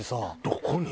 どこに？